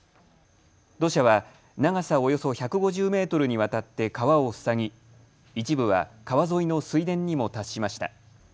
土砂は長さおよそ１５０メートルにわたって川を塞ぎ、一部は川沿いの水田にも達しました。